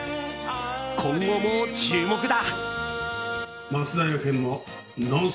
今後も注目だ！